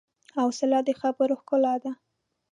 حوصله د خبرو ښکلا ده.